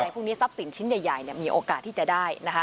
พวกนี้ทรัพย์สินชิ้นใหญ่มีโอกาสที่จะได้นะคะ